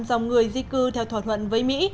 dòng người di cư theo thỏa thuận với mỹ